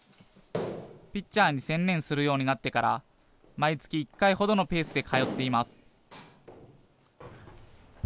ピッチャーに専念するようになってから毎月１回程のペースで通っています。